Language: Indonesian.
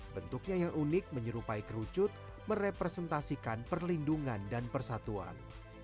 bentuknya yang unik menyerupai kerucut merepresentasikan perlindungan dan persatuan